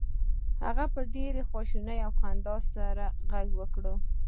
هغه په ډیره خوښۍ او خندا سره غږ وکړ